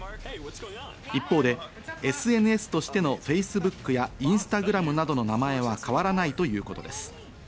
一方でＳＮＳとしてのＦａｃｅｂｏｏｋやインスタグラムなどの名前は変わらないということです。